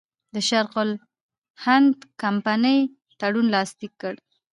د شرق الهند کمپنۍ تړون لاسلیک کړ.